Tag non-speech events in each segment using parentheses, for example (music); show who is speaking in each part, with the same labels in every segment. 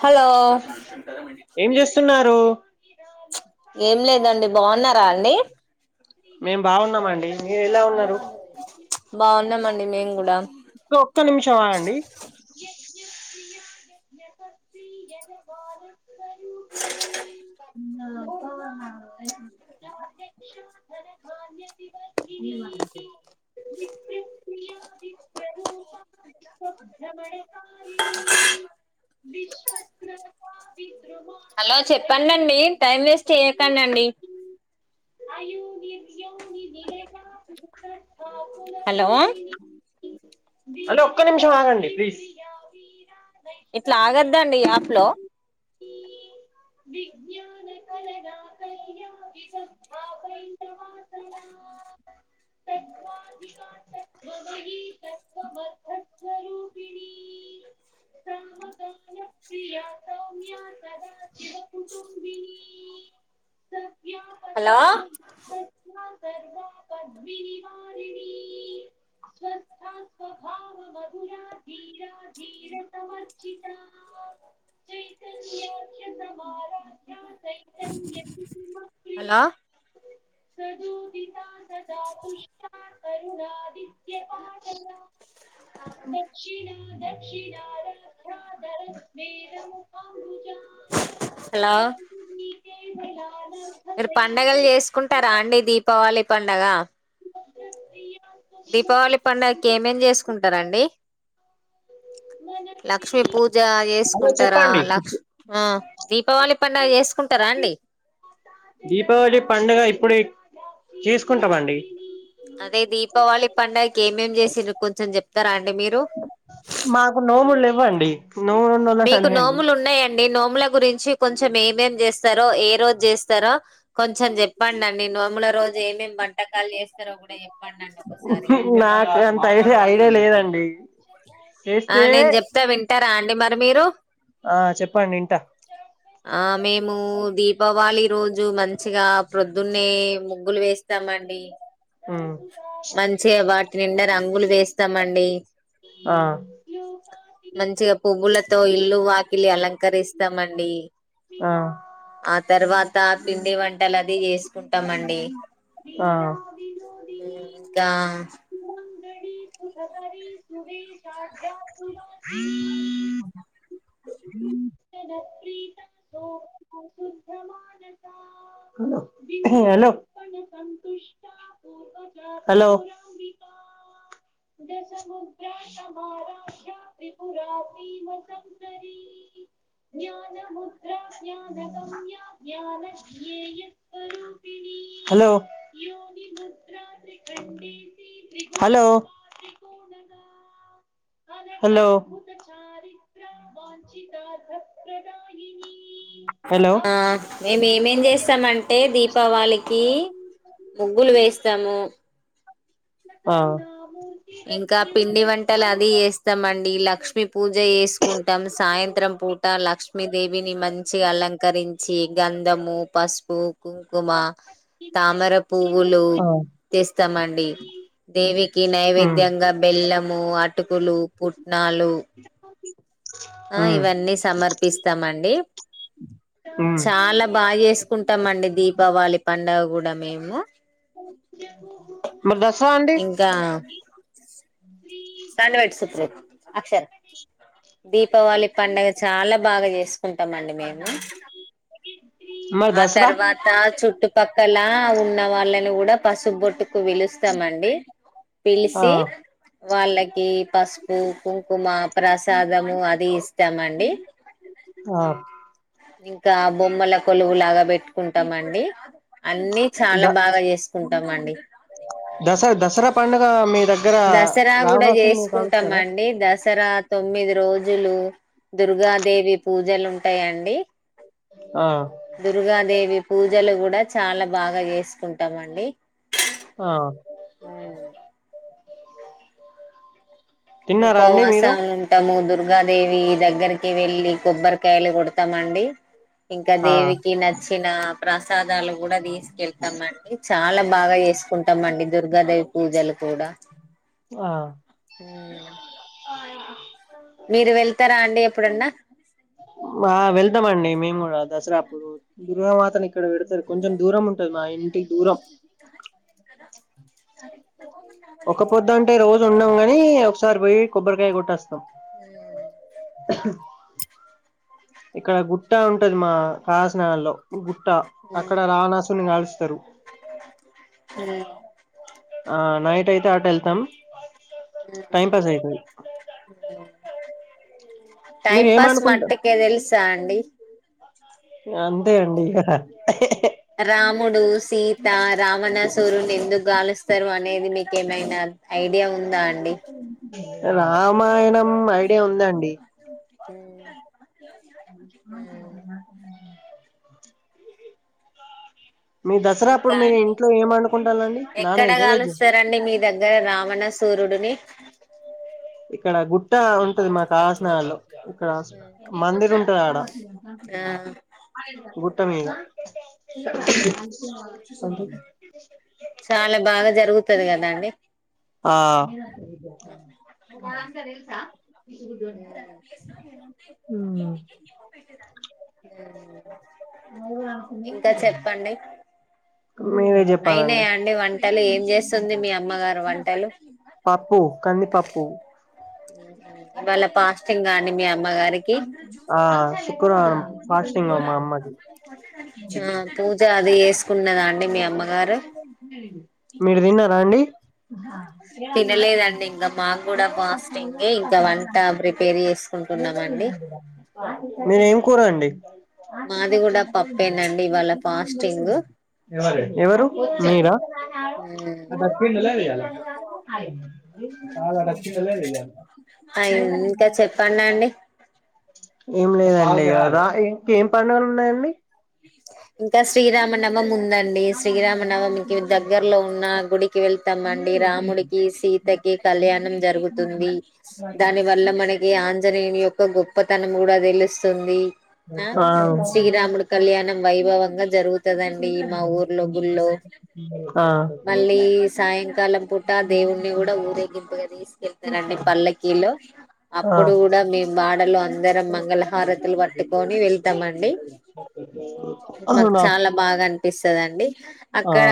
Speaker 1: Hello
Speaker 2: ఏం చేస్తున్నారు
Speaker 1: ఏం లేదండి బాగున్నారా అండి
Speaker 2: మేం బాగున్నామండి మీరు ఎలా ఉన్నారు
Speaker 1: బాగున్నామండి మేం కూడా
Speaker 2: (inaudible) (unintelligible) (inaudible) నీళ్ల (unintelligible) విశ్వక (inaudible)
Speaker 1: హలో చెప్పడండి టైం వేస్ట్ చేయకండండి
Speaker 2: అయయు నిర్త్యోని నిగా ముఖ (inaudible)
Speaker 1: హలో
Speaker 2: హలో ఒక్క నిమిషం ఆగండి ప్లీజ్
Speaker 1: ఇట్ల ఆగద్దండి ఈ యాప్ లో
Speaker 2: ఈ విజ్ఞాన కల నా క్యా విగంధా పండ వాసనా త కా
Speaker 1: హలో
Speaker 2: వా పద్వినివారిణ స్వస్థ భా మధురా ధీరాధీర సమర్జిత క్షతవారా
Speaker 1: హలో
Speaker 2: సజుదిత సదా పుష్ణ కరుణాది పా దక్షిణ దక్షిణ క్ష దర మర ము భబ చ
Speaker 1: హలో మీరు పండగలు చేసుకుంటారా అండి దీపావళి పండగ దీపావళి పండక్కి ఏమేం చేసుకుంటారంండి
Speaker 2: మన
Speaker 1: లక్ష్మీ పూజ చేసుకుంటారా లక్ష్ ఆ దీపావళి పండగ చేసుకుంటారా అండి
Speaker 2: దీపావళి పండగ ఇప్పుడి చేసుకుంటామండి
Speaker 1: అదే దీపావళి పండగకి ఏమేం చేసిర్రు కొంచెం చెప్తారా అ
Speaker 2: మాకు నోములు లెవ్వండి నోములు ఉన్నోళ్ళకి
Speaker 1: మీకు
Speaker 2: అడగండి
Speaker 1: నోములు ఉన్నాయండి నోముల గురించి కొంచెం ఏమేం చేస్తరో ఏ రోజు చేస్తరో కొంచెం చెప్పండి అండి నోముల రోజు ఏమేం వం
Speaker 2: నాక్ గంత ఐడియ ఐడియా లేదండి
Speaker 1: ఆ
Speaker 2: చేస్తే
Speaker 1: నేను చెప్తా వింటరా అండి మరి మీరు
Speaker 2: ఆ చెప్పండి ఇంట
Speaker 1: ఆ మేము దీపావళి రోజు మంచిగా ప్రొద్దున్నే ముగ్గులు వేస్తామండి.
Speaker 2: హ్మ్
Speaker 1: మంచిగా వాటి నిండా రంగులు వేస్తమండి.
Speaker 2: ఆ
Speaker 1: మంచిగా పువ్వుల తో ఇల్లు వాకిలి అలంకరిస్తామండి ఆ తర్వా త పిండి వంటలు అది చేసుకుంటమండి
Speaker 2: ఆ
Speaker 1: ఇంకా
Speaker 2: స సువజ జల ప్రీతంతోోభమాణ హలో ఏ హలో హలో జ సముద్రా సమా రాజ్యా త్రిపురా పీమ సందరీ జ్ఞాన ముద్రా జ్ఞానకం ్యా జ్ఞన జ్ఞేయ స్వూపిణీ హలో హలో హలో వాఛతథ ప్రదాయిని
Speaker 1: ఆ మేము ఏమేం చేస్తామంటే దీపావళికి ముగ్గులు వేస్తాము
Speaker 2: ఆ
Speaker 1: ఇంకా పిండి వంటలు అవి చేస్తామండి ఈ లక్ష్ లక్ష్మి పూజ చేసుకుంటం సాయంత్రం పూట లక్ష్మీదేవిని మంచిగా అలంకరించి గంధము, పసుపు, కుంకుమ, తామర పువ్వులు తెస్తమండి దేవికి నైవేద్యంగా బెల్లము, అటుకులు పుట్ ఆ ఇవన్నీ సమర్పిస్తమండి చాలా బాగా చేసుకుంటమండి దీపావళి పండగ గుడా మేము
Speaker 2: మరి దసరా అండి
Speaker 1: సండ వెట్ (unintelligible) అక్షర దీపావళి పండగ చాలా బాగా చేసుకుంటమండి మేము
Speaker 2: మరి
Speaker 1: ఆ
Speaker 2: దసరా
Speaker 1: తర్వాత చు చుట్టుపక్కల ఉన్న వాళ్ళని గుడా పసుపు బొట్టుకు పిలుస్తమండి పిలిసి వాళ్ళకి పసుపు, కుంకు కుంకుమ ప్రసాదము అది ఇస్తమండి
Speaker 2: ఆ
Speaker 1: ఇంకా బొమ్మల కొలువు లాగా పెట్టుకుంటామండి అన్ని చాలా బాగా చేస్ కుంటమండి
Speaker 2: దసరా దసరా పండగ మీ దగ్గ
Speaker 1: దసరా గుడా చేసుకుంటమండి దసరా తొమ్మి తొమ్మిది రోజులు దుర్గాదేవి పూజలు ఉంటాయండి.
Speaker 2: ఆ
Speaker 1: దుర్గాదేవి పూజ పూజలు కూడా చాలా బాగా చేసుకుంటాము అండి
Speaker 2: ఆ
Speaker 1: ఆ
Speaker 2: తిన్నారా అండి
Speaker 1: ఉపవాస
Speaker 2: మీరు
Speaker 1: ఉంటము దుర్గా గాదేవి దగ్గరికి వెళ్ళి కొబ్బరికాయలు కొడతామండి ఇంకా
Speaker 2: ఆ
Speaker 1: దేవికి నచ్చిన ప్రసాద దాలు కూడా తీసుకెళ్తామ అండి చాలా బాగా చేసుకుంటాంమండి దుర్గాదేవి పూజలు కూడా
Speaker 2: ఆ
Speaker 1: ఉ
Speaker 2: (inaudible)
Speaker 1: మీరు వెళ్తారా అండి ఎప్పుడన్నా
Speaker 2: ఆ వెళ్తామండి మేము కూడా దసరా అప్పుడు దుర్గామాతను ఇక్కడ పెడతారు కొంచెం దూరం ఉంటది మా ఇంటికి దూరం ఒకపోద్ద అంటే రోజు ఉండము కాని ఒకసారి పోయి కొబ్బరికాయ కొట్టి వస్త త్తం ఇక్కడ గుట్ట ఉంటది మా కాసజ్ నగర్ లో ట్ట అక్కడ రావణాసురినీ కాలుస్తారు ఆ నైట్ అయితే అటూ ఎళ్తాం
Speaker 1: ఉ ఉహు టైం
Speaker 2: మీరు
Speaker 1: పాస్
Speaker 2: ఏమనుకుంటారు
Speaker 1: మటీకే తెలుసా అండి
Speaker 2: అంతే అండి ఇగ
Speaker 1: రాముడు సీత రామణసూరుని ఎందుకు గాలుస్తారు అనేది మీకేమైనా ఐడియా ఉందా అండి
Speaker 2: రామాయణం ఐడియా ఉందండి
Speaker 1: ఊ
Speaker 2: (inaudible) మీ దసరా అప్పుడు
Speaker 1: ఇంకా
Speaker 2: మీరు
Speaker 1: అండి
Speaker 2: ఇంట్లో ఏం వండుకుంటాలండి నాన్
Speaker 1: ఎక్కడ
Speaker 2: వెజ్ ఆ వెజ్
Speaker 1: కలుస్తారండి మీ దగ్గర రావణ సూర్యుడు నీ
Speaker 2: ఇక్కడ గుట్ట ఉంటది మా కాసజ్ నగర్ లో
Speaker 1: ఉ ఆ
Speaker 2: త్తమ ఇంగ
Speaker 1: చాలా బాగా జరుగు తది కదా అండి
Speaker 2: ఆ
Speaker 1: అ ఇంకా చెప్పండి
Speaker 2: మీరే చెప్పాలండి
Speaker 1: అయినాయా అండి వంటలు ఏం చేస్తుంది మీ అమ్మగారు వంట
Speaker 2: పప్పు కందిపప్పు
Speaker 1: ఉహు ఇవాళ పాస్టింగ్ అండి మీ అమ్మగారికి
Speaker 2: ఆ శుక్రవారం ఫాస్టింగ్ మా అమ్మది
Speaker 1: ఆ పూజ ఆది ఏసు ఉన్నదా అండి మీ అమ్మగారు
Speaker 2: మీరు తిన్నారా అండి
Speaker 1: తినలేదండి ఇంకా మాకు కూడా బ టింగే ఇంకా వంట ప్రిపేర్ చేసుకుంటున్నామండి
Speaker 2: మీరేం కూర అండి
Speaker 1: మాది కూడా పప్పే నండి ఇవాళ ఫాస్టింగ్
Speaker 2: ఎవరు మీరా యాడ తినలేదు ఇంగ
Speaker 1: ఇంకా చెప్పండి అండి
Speaker 2: ఏం లేదండి ఏం పండుగలు ఉన్నాయండి
Speaker 1: ఇంకా శ్రీరామనవమీ ఉందండి శ్రీరామనవమికి దగ్గరలో ఉన్న గుడికి వెళ్తాంమండి రాముడు రాముడికి సీత కి కళ్యాణం జరుగుతుంది దాని వల్ల మనకి అన ఉత్తరేణి యొక్క గొప్పతనం కూడా తెలుస్తుంది ఆ శ్రీరాముడి కళ్యాణం (unintelligible) జరుగుతుందండి మా ఊర్లో గుళ్ళో
Speaker 2: ఆ
Speaker 1: మళ్ళీ సాయంకాలం పూట దేవున్నీ కూడా ఊరేగింపుగా తీసుకెళ్తారండి పల్లకిీలో
Speaker 2: ఆ
Speaker 1: అప్పుడు కూడా మేము బా ఆండలు అందరం మంగళహారతులు పట్టుకొని వెళ్తామండి
Speaker 2: స
Speaker 1: నాకు చాలా బాగా అనిపిస్తుందండి
Speaker 2: ఆ
Speaker 1: అక్కడ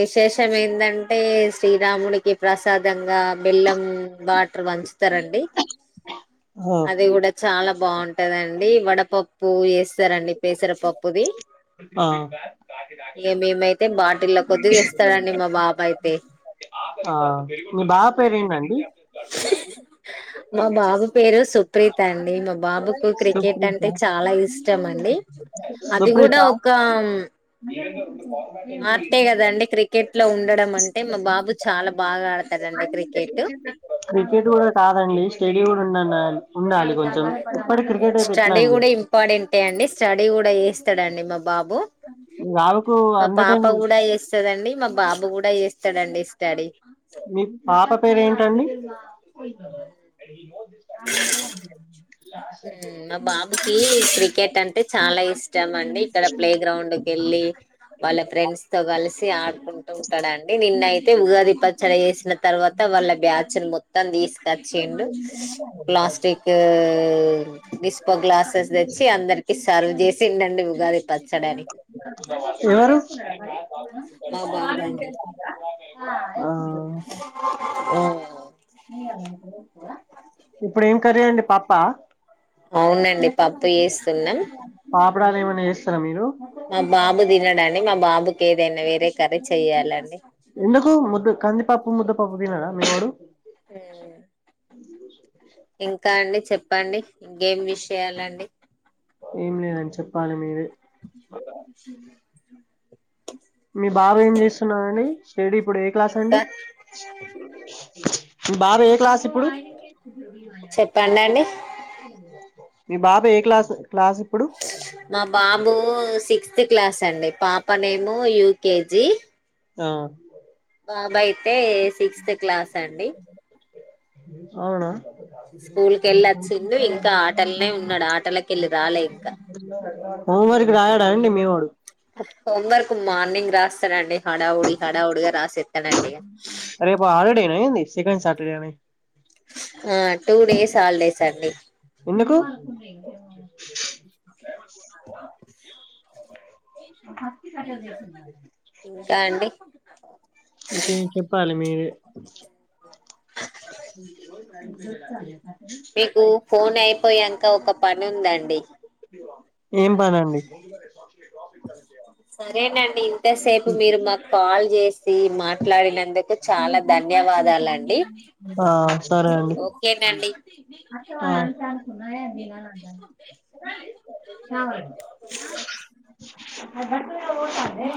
Speaker 1: విశేషం ఏంటంటే శ్రీరాముడికి ప్రసాదంగా బెల్లం వాటర్ పంచుత రండి
Speaker 2: ఆ
Speaker 1: అది కూడా చాలా బాగుంటదండి వడపప్పు ఏస్తారండి పెసరపప్పు
Speaker 2: ఆ
Speaker 1: ఇక మేమైతే బాటిల్ల కొద్ది తెస్తాడండి మా బాబు అయితే
Speaker 2: ఆ మీీ బాబు
Speaker 1: ఉమ్.
Speaker 2: పేరేంటండీ
Speaker 1: మా బాబు పేరు సుప్రీత్ అండి బాబుకు క్రికెట్ అంటే
Speaker 2: సుప్రీత
Speaker 1: చాలా ఇష్టం అండి అది కూడా
Speaker 2: సుప్రీత
Speaker 1: ఒక ఆర్టే కద అండి క్రికెట్ లో ఉండడం అంటే మా బాబు చాలా బాగా ఆడతాడండీ
Speaker 2: క్రికెట్ కూడా కాదండి స్టడి కూడా ఉన్నాన్న
Speaker 1: స్టడీ
Speaker 2: అండి
Speaker 1: కూడా ఇంపార్టెంటే అండి స్టడీ కూడా ఏస్తాడండీ న బాబు
Speaker 2: మీ బావకు
Speaker 1: మా
Speaker 2: అండర్
Speaker 1: పాప
Speaker 2: టెన్
Speaker 1: కూడా వేస్తాదండి మా బాబు కూడా ఏస్తాడు (unintelligible) స్టడీ
Speaker 2: మీ పాప పేరేంటండి అ
Speaker 1: మా బాబుకి క్రికెట్ అంటే చాలా ఇష్టం అండి ఇక్కడ ప్లే గ్రౌండ్కి వెళ్ళి వాళ్ళ ఫ్రెండ్స్ తో కలిసి ఆడుకుంటు ఉంటాడండీ నిన్నయితే ఉగాది పచ్చడి చేసిన తర్వాత వాళ్ళ బ్యాచ్ ని మొత్తం తీసుకొచ్చిండు ప్లాస్టిక్ నిస్ప గ్లాసెస్ తెచ్చి అందరికి సర్వ్ చేసిండండి ఉగాది పచ్చడాని
Speaker 2: ఎవరు
Speaker 1: మా బాబు అండి
Speaker 2: ఆ
Speaker 1: ఆ
Speaker 2: ఇప్పుడు ఏం కర్రీ అండి పప్పా
Speaker 1: అవునండి పప్పు చేస్తున్నాం
Speaker 2: పాపడాలు ఏమైనా చేస్తారా మీరు
Speaker 1: మా బాబు తినడు అండి మా బాబుకి ఏదైనా వేరే కర్రీ చెయ్యాలండి
Speaker 2: ఎందుకు ముద్ద కందిపప్పు ముద్దపప్పు తినడ మీవోడు
Speaker 1: మ్ ఇంకా అండి చెప్పండి ఇంకేం విషయాలండి
Speaker 2: ఏం లేదండి చెప్పాలి మీరే మీ బాబు ఏం చేస్తున్నాడండీ స్టడీ ఇప్పుడు ఏ క్లాస్ అండి
Speaker 1: ఇంకా
Speaker 2: మీ బాబు ఏ క్లాస్ ఇప్పుడు
Speaker 1: చెప్పండి అండి
Speaker 2: మీ బాబు ఏ క్లాస్ క్లాస్ ఇప్పుడు
Speaker 1: మా బాబు సిక్స్ ఫిఫ్త్ క్లాస్ అండి పాప నేమో యూకేజీ
Speaker 2: ఆ
Speaker 1: బాబు అయితే సిక్స్త్ క్లాస్ అండి
Speaker 2: అవునా
Speaker 1: స్కూల్ కి వెళ్ళొచ్చిండు ఇంకా ఆటలనే ఉన్నాడు ఆటలకి వెళ్ళి రాలే ఇంకా
Speaker 2: హోంవర్క్ రాయడా అండి మీ వాడు
Speaker 1: హోంవర్క్ మార్నింగ్ రాస్
Speaker 2: రేపు హలీడేనా ఏంది సెకడ్ సటర్డేనా
Speaker 1: ఆ టూ డేస్ హాలిడేస్ అండి
Speaker 2: ఎందుకు హస్తి
Speaker 1: ఇంకా
Speaker 2: (unintelligible)
Speaker 1: అండి
Speaker 2: ఇంకేం చెప్పాలి మీరే
Speaker 1: మీకు ఫోన్ అయిపోయాంక ఒక పని ఉందండి
Speaker 2: ప్రఫ (inaudible)
Speaker 1: సరేనండి ఇంతసేపు మీరు మాకు కాల్ చేసి మాట్లాడిన నందుకు చాలా ధన్యవాదాలండి
Speaker 2: ఆ
Speaker 1: ఓకేనండి
Speaker 2: అ అ బస్సులో పోతాందే